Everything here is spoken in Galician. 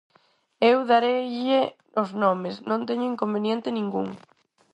Eu dareille os nomes, non teño inconveniente ningún.